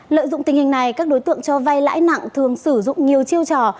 lợi dụng tình hình này các đối tượng cho vay lãi nặng thường sử dụng nhiều chiêu trò